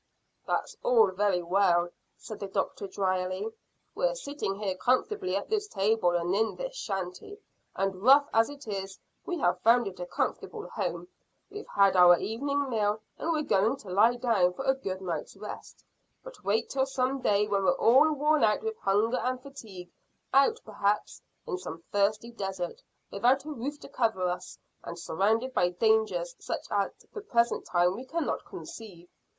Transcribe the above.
"That's all very well," said the doctor dryly. "We're sitting here comfortably at this table, and in this shanty, and rough as it is we have found it a comfortable home. We've had our evening meal, and we're going to lie down for a good night's rest. But wait till some day when we're all worn out with hunger and fatigue out, perhaps, in some thirsty desert without a roof to cover us, and surrounded by dangers such as at the present time we cannot conceive.